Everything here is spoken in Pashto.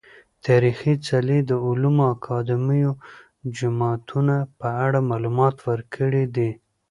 تاريخي څلي، علومو اکادميو، جوماتونه په اړه معلومات ورکړي دي .